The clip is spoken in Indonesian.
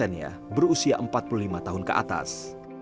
tujuh puluh nya berusia empat puluh lima tahun ke atas